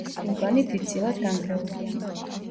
ვულკანი დიდწილად დანგრეულია.